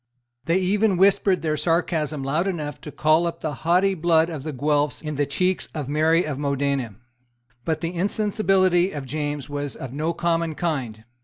They even whispered their sarcasms loud enough to call up the haughty blood of the Guelphs in the cheeks of Mary of Modena. But the insensibility of James was of no common kind.